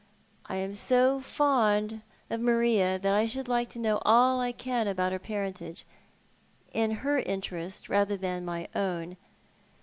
I am so fond of Marie that I should like to know all I can about her parentage; in her interest rather thau my own.